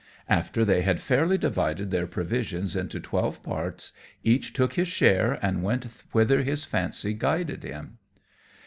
After they had fairly divided their provisions into twelve parts, each took his share, and went whither his fancy guided him.